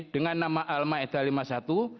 dengan nama al ma'idah lima puluh satu